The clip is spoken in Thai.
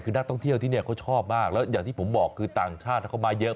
คือนักท่องเที่ยวที่นี่เขาชอบมากแล้วอย่างที่ผมบอกคือต่างชาติเขามาเยอะ